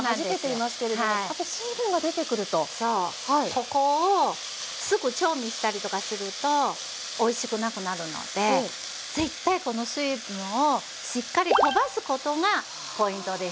ここをすぐ調味したりとかするとおいしくなくなるので絶対この水分をしっかりとばすことがポイントです。